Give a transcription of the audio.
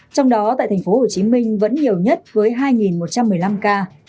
trong đó tại tp hcm vẫn nhiều nhất với hai một trăm một mươi năm ca